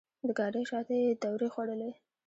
د ګاډۍ شاته یې دورې خوړلې.